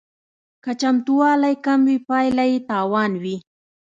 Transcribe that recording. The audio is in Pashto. که چمتووالی کم وي پایله یې تاوان وي